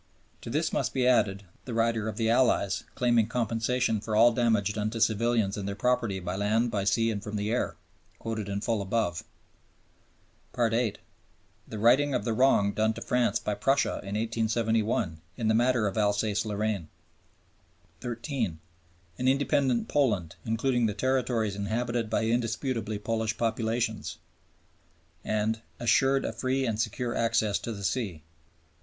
To this must be added the rider of the Allies, claiming compensation for all damage done to civilians and their property by land, by sea, and from the air (quoted in full above). (8). The righting of "the wrong done to France by Prussia in 1871 in the matter of Alsace Lorraine." (13). An independent Poland, including "the territories inhabited by indisputably Polish populations" and "assured a free and secure access to the sea." (14).